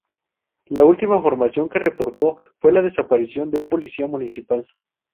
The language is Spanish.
La última información que reportó fue la desaparición de un policía municipal.